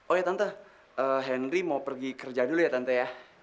oh ya tante henry mau pergi kerja dulu ya tante ya